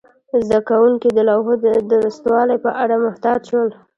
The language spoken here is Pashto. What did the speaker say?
زده کوونکي د لوحو د درستوالي په اړه محتاط شول.